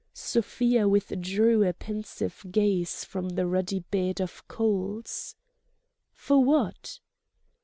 Sofia withdrew a pensive gaze from the ruddy bed of coals. "For what?"